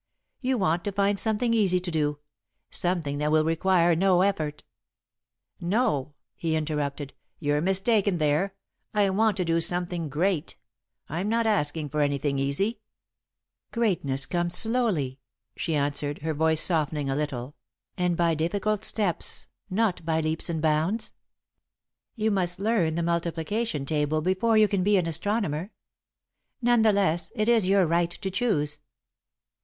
You want to find something easy to do something that will require no effort." "No," he interrupted, "you're mistaken there. I want to do something great I'm not asking for anything easy." [Sidenote: "I Belong Here"] "Greatness comes slowly," she answered, her voice softening a little, "and by difficult steps not by leaps and bounds. You must learn the multiplication table before you can be an astronomer. None the less, it is your right to choose."